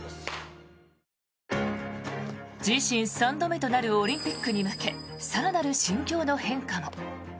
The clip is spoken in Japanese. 自身３度目となるオリンピックに向け更なる心境の変化も。